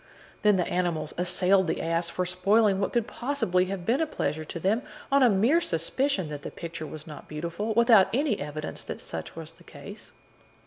Then the animals assailed the ass for spoiling what could possibly have been a pleasure to them, on a mere suspicion that the picture was not beautiful, without any evidence that such was the case.